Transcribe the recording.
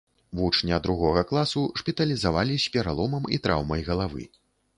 Вучня другога класу шпіталізавалі з пераломам і траўмай галавы.